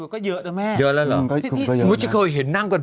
ก็เยอะนะแม่เยอะแล้วเหรอก็เยอะหนูจะเคยเห็นนั่งกัน